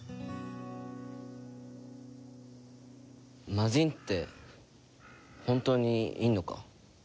魔人って本当にいるのか？